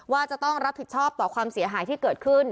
ว่าจะต้องรับผิดชอบต่อความเสียหายที่เกิดขึ้น